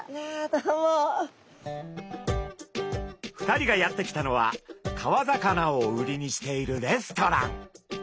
２人がやって来たのは川魚を売りにしているレストラン。